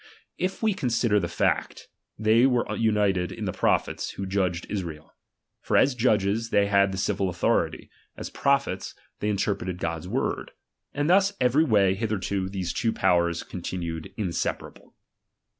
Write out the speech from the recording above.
If we consider the fact, they were united in the prophets who judged Israel. For as judges, they had the civil authority ; as prophets, they inter preted God's word. And thus every way hithe rto these two powers continued inseparable.